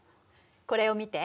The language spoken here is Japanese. これを見て。